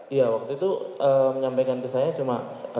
iya waktu itu menyampaikan ke saya cuma